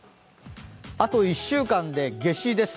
あと１週間で夏至です。